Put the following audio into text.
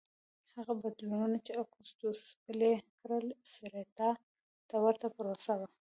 هغه بدلونونه چې اګوستوس پلي کړل سېراتا ته ورته پروسه وه